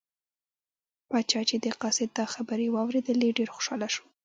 پاچا چې د قاصد دا خبرې واوریدلې ډېر خوشحاله شو.